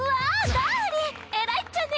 ダーリン偉いっちゃね。